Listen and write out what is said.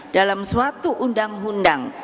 dalam suatu undang undang